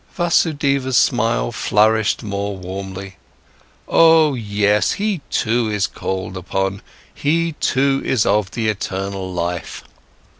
Vasudeva's smile flourished more warmly. "Oh yes, he too is called upon, he too is of the eternal life.